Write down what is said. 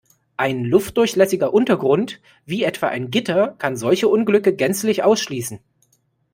Ein luftdurchlässiger Untergrund, wie etwa ein Gitter, kann solche Unglücke gänzlich ausschließen.